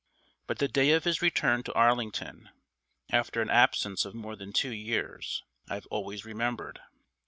But the day of his return to Arlington, after an absence of more than two years, I have always remembered.